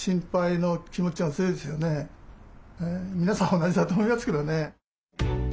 同じだと思いますけどね。